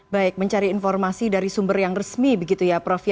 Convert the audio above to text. baik mencari informasi dari sumber yang resmi begitu ya prof ya